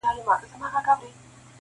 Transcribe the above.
نور پخلا یو زموږ او ستاسي دي دوستي وي-